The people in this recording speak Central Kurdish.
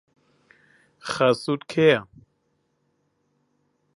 خەسووت کێیە؟